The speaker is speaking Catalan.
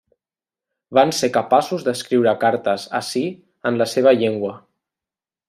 Van ser capaços d'escriure cartes a si en la seva llengua.